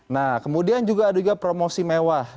nah kemudian juga ada juga promosi mewah